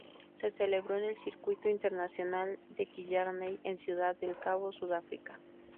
Se celebró en el Circuito International de Killarney en Ciudad del Cabo, Sudáfrica.